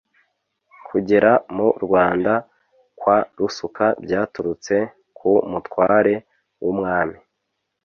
Kugera mu Rwanda kwa Rusuka byaturutse ku mutware w’Umwami